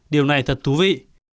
điều này thật thú vị